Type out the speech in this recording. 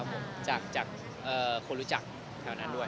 บ้านน้องแมวสรุปแพงกว่าบ้านผม